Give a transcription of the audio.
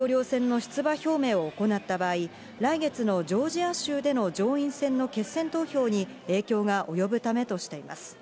大統領選の出馬表明を行った場合、来月のジョージア州での上院選の決選投票に影響が及ぶためとしています。